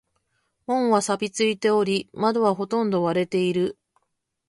門は錆びついており、窓はほとんど割れている。